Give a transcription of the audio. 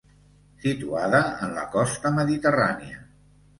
Situada en la costa Mediterrània.